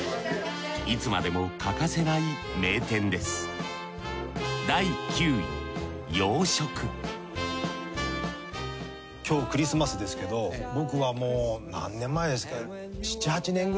いつまでも欠かせない名店です今日クリスマスですけど僕はもう何年前ですか。